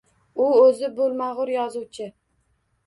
U o’zi bo’lmag’ur yozuvchi